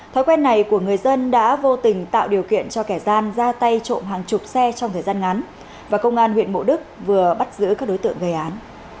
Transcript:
thói quen này của người dân đã vô tình tạo điều kiện cho kẻ gian ra tay trộm hàng chục xe trong thời gian ngắn và công an huyện mộ đức vừa bắt giữ các đối tượng gây án